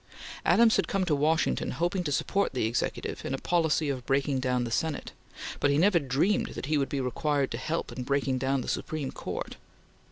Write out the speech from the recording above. Adams had come to Washington hoping to support the Executive in a policy of breaking down the Senate, but he never dreamed that he would be required to help in breaking down the Supreme Court.